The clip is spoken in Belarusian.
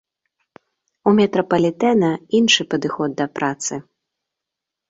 У метрапалітэна іншы падыход да працы.